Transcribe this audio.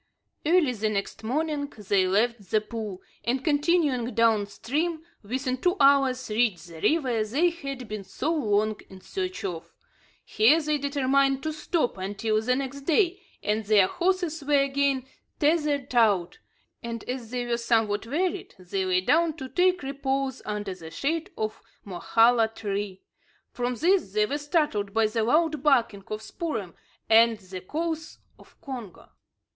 Early the next morning they left the pool, and, continuing down stream, within two hours reached the river they had been so long in search of. Here they determined to stop until the next day, and their horses were again tethered out; and, as they were somewhat wearied, they lay down to take repose under the shade of a mokhala tree. From this they were startled by the loud barking of Spoor'em and the calls of Congo.